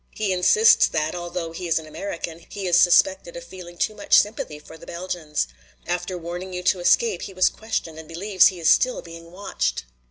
"He insists that, although he is an American, he is suspected of feeling too much sympathy for the Belgians. After warning you to escape he was questioned and believes he is still being watched.